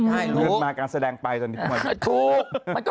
จงเริ่มมาการแสดงไปอีก